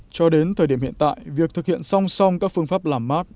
cho đến thời điểm hiện tại việc thực hiện song song các phương pháp làm mát